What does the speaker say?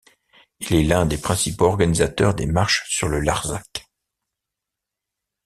Il est l’un des principaux organisateurs des marches sur le Larzac.